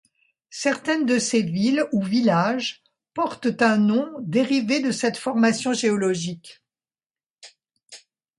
Certaines de ces villes ou villages portent un nom dérivé de cette formation géologique.